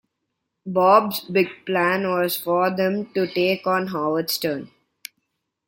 Bob's big plan was for them to take on Howard Stern.